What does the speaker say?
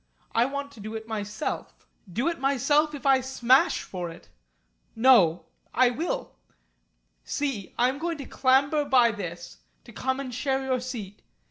I want to do it myself. Do it myself if I smash for it! No! I will. See I am going to clamber by this to come and share your seat.